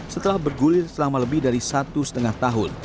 setelah bergulir selama lebih dari satu setengah tahun